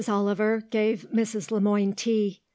Oliver gave Mrs. Le Moine tea.